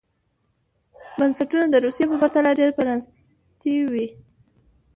بنسټونه د روسیې په پرتله ډېر پرانېستي وو.